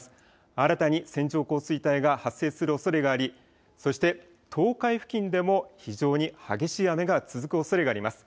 新たに線状降水帯が発生するおそれがあり、そして東海付近でも非常に激しい雨が続くおそれがあります。